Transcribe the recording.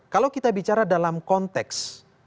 kalau kita bicara dalam konteks